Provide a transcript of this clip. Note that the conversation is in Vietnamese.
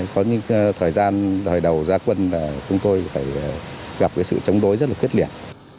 có những thời gian thời đầu gia quân chúng tôi gặp sự chống đối rất là khuyết liệt